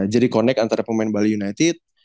jadi connect antara pemain bali united